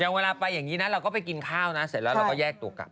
เวลาไปอย่างนี้นะเราก็ไปกินข้าวนะเสร็จแล้วเราก็แยกตัวกลับ